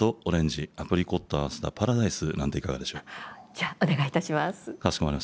じゃあお願いいたします。